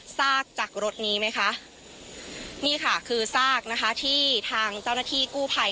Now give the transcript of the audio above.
ซากจากรถนี้ไหมคะนี่ค่ะคือซากนะคะที่ทางเจ้าหน้าที่กู้ภัย